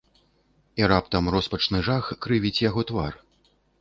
І раптам роспачны жах крывіць яго твар.